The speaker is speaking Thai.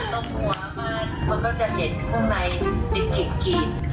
ตั้งต้มหัวมันมันต้องจัดเย็นข้างในอีกกิน